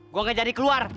gue gak jadi keluar